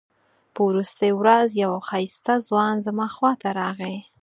په وروستۍ ورځ یو ښایسته ځوان زما خواته راغی.